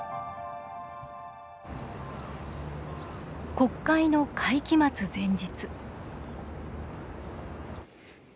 国会の会期末前日。